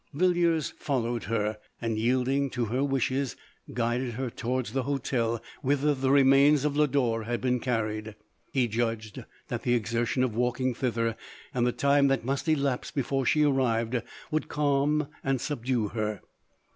Yil liers followed her, and, yielding to her wish. guided her towards the hotel whither the remains of Lodore had been carried. He judged that the exertion of walking: thither, and the time that must elapse before she arrived, would calm and subdue her.